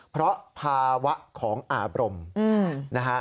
เพราะภาวะของอารมณ์